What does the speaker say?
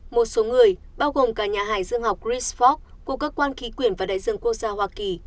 một số người bao gồm cả nhà hải dương học chrisfox của cơ quan khí quyển và đại dương quốc gia hoa kỳ